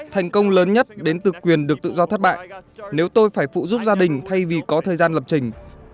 thành công lớn nhất đến từ quyền được tự do thất bại nếu tôi phải phụ giúp gia đình thay vì có thời gian lập trình